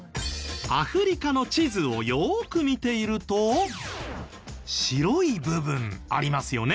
アフリカの地図をよーく見ていると白い部分ありますよね。